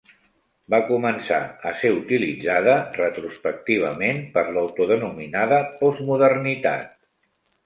Va començar a ser utilitzada, retrospectivament, per l'autodenominada postmodernitat.